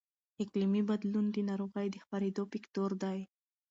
اقلیمي بدلون د ناروغۍ د خپرېدو فکتور دی.